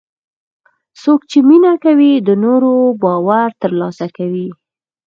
څوک چې مینه کوي، د نورو باور ترلاسه کوي.